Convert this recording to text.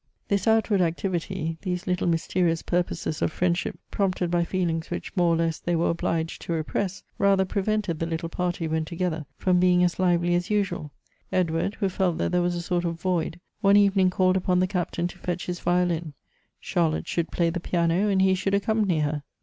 This outward activity, these little mysterious purposes of friendship, prompted by feelings which more or less they were obliged to i epress, rather prevented the little party when together from being as lively as usual. Edward, who felt that there was a sort of void, one even ing called upon the Captain to fetch his violin — Charlotte should play the piano, and he should accompany her.